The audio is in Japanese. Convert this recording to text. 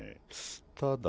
ただ。